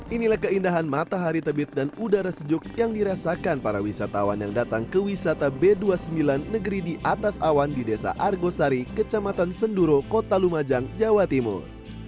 inilah keindahan matahari terbit dan udara sejuk yang dirasakan para wisatawan yang datang ke wisata b dua puluh sembilan negeri di atas awan di desa argosari kecamatan senduro kota lumajang jawa timur